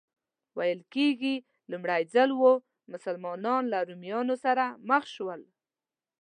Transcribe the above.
ویل کېږي لومړی ځل و مسلمانان له رومیانو سره مخ شول.